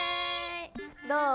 どう？